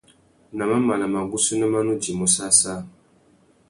Nà mamana, magussénô mà nu djïmú săssā.